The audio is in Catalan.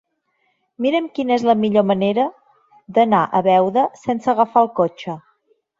Mira'm quina és la millor manera d'anar a Beuda sense agafar el cotxe.